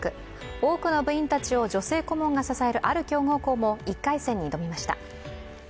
多くの部員たちを女性顧問が支えるある強豪校も１回戦に挑みました。